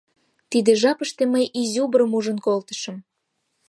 Тиде жапыште мый изюбрым ужын колтышым.